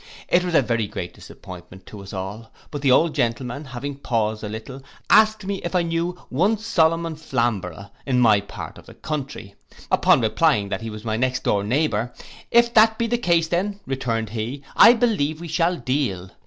This was a very great disappointment to us all; but the old gentleman having paused a little, asked me if I knew one Solomon Flamborough in my part of the country: upon replying that he was my next door neighbour, 'if that be the case then,' returned he, 'I believe we shall deal.